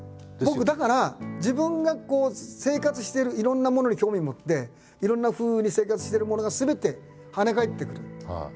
僕だから自分が生活してるいろんなものに興味持っていろんなふうに生活してるものがすべてはね返ってくる。